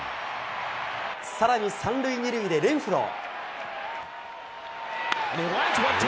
さらに３塁２塁でレンフロー。